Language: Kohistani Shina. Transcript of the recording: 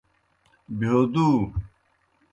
بہیو دُو۔